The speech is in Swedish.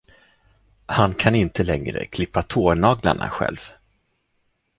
Han kan inte längre klippa tånaglarna själv.